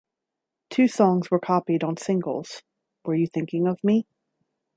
Two songs were copied on singles, Were You Thinking Of Me?